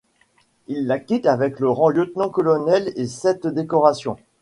Il la quitte avec le rang lieutenant-colonel et sept décorations.